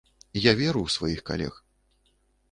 Я веру ў сваіх калег.